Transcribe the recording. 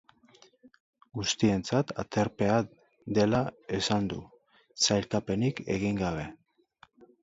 Guztientzat aterpea dela esan du, sailkapenik egin gabe.